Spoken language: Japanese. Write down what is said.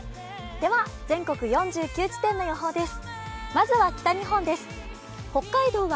では全国４９地点の予報です。